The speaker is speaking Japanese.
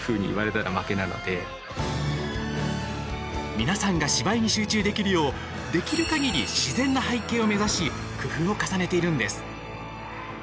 皆さんが芝居に集中できるようできるかぎり自然な背景を目指し工夫を重ねているんです。